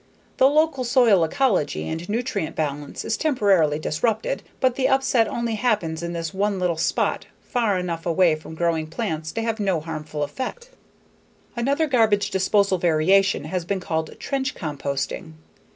The local soil ecology and nutrient balance is temporarily disrupted, but the upset only happens in this one little spot far enough away from growing plants to have no harmful effect. Another garbage disposal variation has been called "trench composting."